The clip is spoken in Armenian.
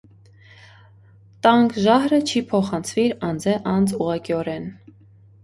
Տանկ ժահրը չի փոխանցուիր անձէ անձ ուղղակիօրէն։